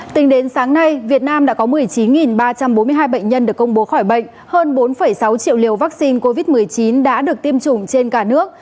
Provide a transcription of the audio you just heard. tính đến sáng nay việt nam đã có một mươi chín ba trăm bốn mươi hai bệnh nhân được công bố khỏi bệnh hơn bốn sáu triệu liều vaccine covid một mươi chín đã được tiêm chủng trên cả nước